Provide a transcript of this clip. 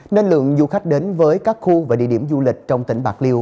nên lượng du khách đến với các khu và địa điểm du lịch trong tỉnh bạc liêu